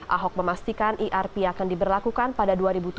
ahok memastikan irp akan diberlakukan pada dua ribu tujuh belas